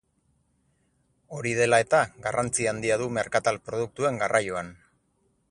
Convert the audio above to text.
Hori dela eta, garrantzi handia du merkatal produktuen garraioan.